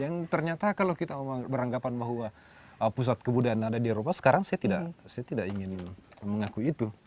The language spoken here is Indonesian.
yang ternyata kalau kita beranggapan bahwa pusat kebudayaan ada di eropa sekarang saya tidak ingin mengakui itu